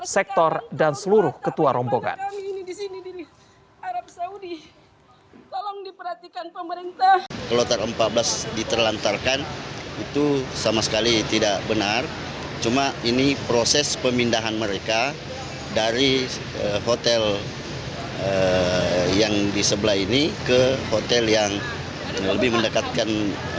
sektor dan seluruh ketua rombongan